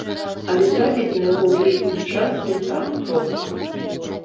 Але трапіць на яго ў летні час не так проста.